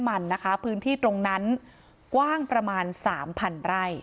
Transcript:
มันนะคะพื้นที่ตรงนั้นกว้างประมาณสามพันไร่